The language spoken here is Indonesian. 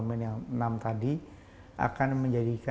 akan menjadikan arsitektur kesehatan indonesia di depan menjadi lebih kuat